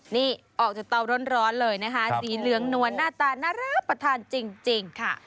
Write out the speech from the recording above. นี่ออกจากเตาร้อนเลยนะคะสีเหลืองนวลหน้าตาน่ารับประทานจริงค่ะ